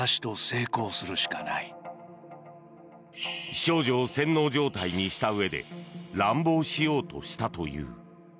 少女を洗脳状態にしたうえで乱暴しようとしたという。